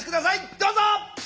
どうぞ！